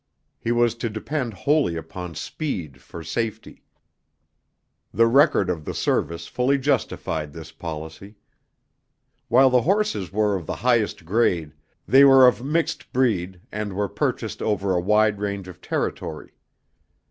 He was to depend wholly upon speed for safety. The record of the service fully justified this policy. While the horses were of the highest grade, they were of mixed breed and were purchased over a wide range of territory.